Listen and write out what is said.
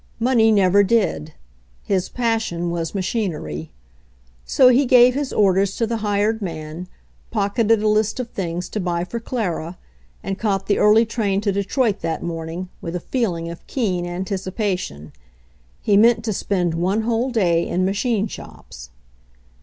Money never did. His pas sion was machinery. So he gave his orders to the hired man, pock eted a list of things to buy for Clara, and caught the early train to Detroit that morning with a feeling of keen anticipation. He meant to spend one whole day in machine shops.